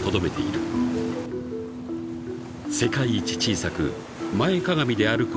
［世界一小さく前かがみで歩く